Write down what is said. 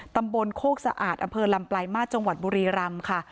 ตำบลโคกสะอาดอำเภอลำปลายมาสจังหวัดบุรีรำค่ะ